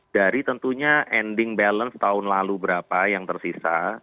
dari tentunya ending balance tahun lalu berapa yang tersisa